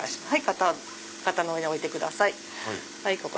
肩の上に置いてください。